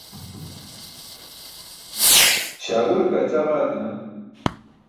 śaagule kaa ćaġa aatina